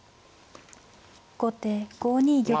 後手５二玉。